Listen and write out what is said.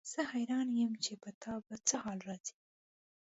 زه حیران یم چې په تا به څه حال راځي.